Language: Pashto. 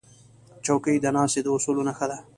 چوکۍ د ناستې د اصولو نښه ده.